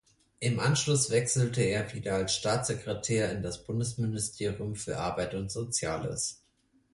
Im Anschluss wechselte er wieder als Staatssekretär in das Bundesministerium für Arbeit und Soziales.